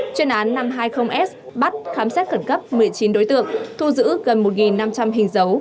chuyên án năm trăm hai mươi s bắt khám xét khẩn cấp một mươi chín đối tượng thu giữ gần một năm trăm linh hình dấu